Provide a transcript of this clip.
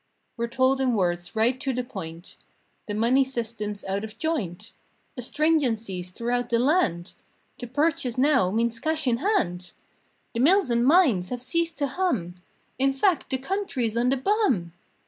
We're told in words right to the point— "The money system's out of joint!" "A stringency's throughout the land!!" "To purchase now means cash in hand!!!" "The mills and mines have ceased to hum!!!!" "In fact, the country's on the bum!!!!!"